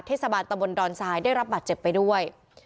เทศมนตรีตำบลดอนทรายได้รับบาดเจ็บไปด้วย